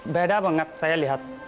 beda banget saya lihat